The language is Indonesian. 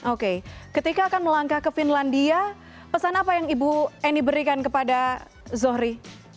oke ketika akan melangkah ke finlandia pesan apa yang ibu eni berikan kepada zohri